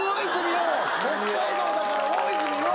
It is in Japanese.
北海道だから大泉洋！？